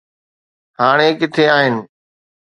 هاڻي ڪٿي آهن